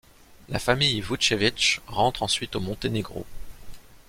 La famille Vučević rentre ensuite au Monténégro.